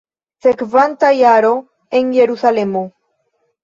Sekvanta jaro en Jerusalemo.